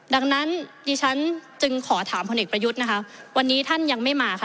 ดังนั้นดิฉันจึงขอถามพลเอกประยุทธ์นะคะวันนี้ท่านยังไม่มาค่ะ